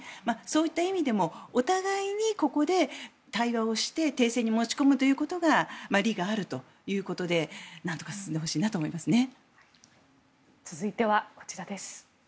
そういった意味でもお互いにここで対話をして停戦に持ち込むということが利があるということでなんとか進んでほしいなと思いますね。